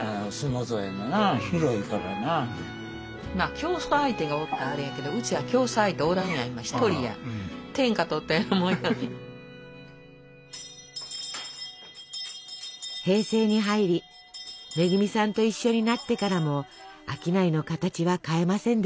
競争相手がおったらあれやけど平成に入り恵さんと一緒になってからも商いの形は変えませんでした。